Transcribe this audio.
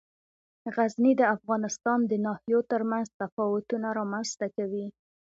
غزني د افغانستان د ناحیو ترمنځ تفاوتونه رامنځ ته کوي.